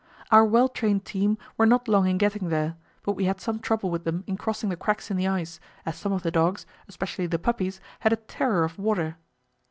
Our well trained team were not long in getting there, but we had some trouble with them in crossing the cracks in the ice, as some of the dogs, especially the puppies, had a terror of water.